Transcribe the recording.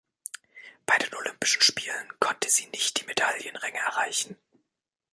Bei den Olympischen Spielen konnte sie nicht die Medaillenränge erreichen.